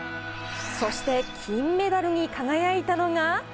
そして、金メダルに輝いたのが。